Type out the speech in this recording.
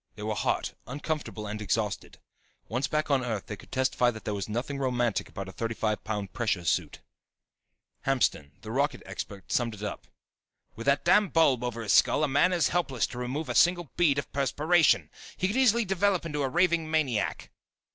They were hot, uncomfortable and exhausted. Once back on Earth they could testify that there was nothing romantic about a thirty five pound pressure suit. Hamston, the rocket expert, summed it up: "With that damn bulb over his skull a man is helpless to remove a single bead of perspiration. He could easily develop into a raving maniac."